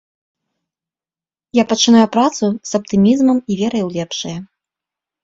Я пачынаю працу з аптымізмам і верай у лепшае.